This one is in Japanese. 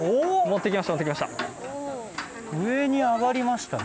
持っていきました